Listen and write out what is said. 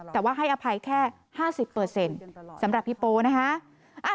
แต่ว่าให้อภัยแค่๕๐สำหรับพี่โปนะคะ